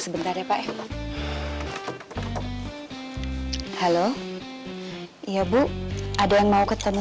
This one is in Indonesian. sampai jumpa di video selanjutnya